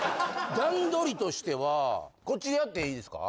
段取りとしてはこっちでやっていいですか？